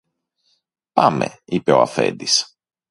Πάμε, είπε ο αφέντης